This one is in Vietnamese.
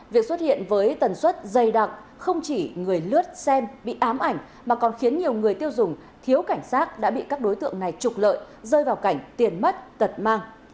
việc xuất hiện với tần suất dày đặc không chỉ người lướt xem bị ám ảnh mà còn khiến nhiều người tiêu dùng thiếu cảnh sát đã bị các đối tượng này trục lợi rơi vào cảnh tiền mất tật mang